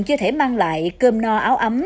chưa thể mang lại cơm no áo ấm